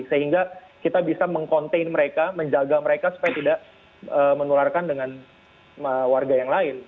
sehingga kita bisa meng contain mereka menjaga mereka supaya tidak menularkan dengan warga yang lain